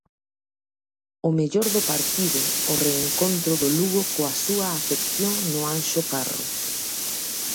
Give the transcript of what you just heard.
O mellor do partido, o reencontro do Lugo coa súa afección no Anxo Carro.